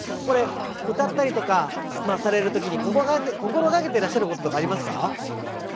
これ歌ったりとかされる時に心がけてらっしゃることとかありますか？